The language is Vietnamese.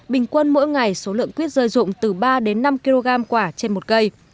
bình quân mỗi ngày số lượng quýt rơi rụng từ ba đến năm kg quả trên một cây